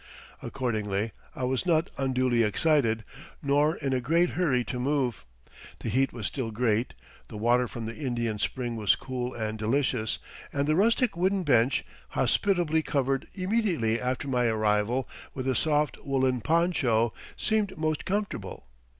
Accordingly, I was not unduly excited, nor in a great hurry to move. The heat was still great, the water from the Indian's spring was cool and delicious, and the rustic wooden bench, hospitably covered immediately after my arrival with a soft, woolen poncho, seemed most comfortable.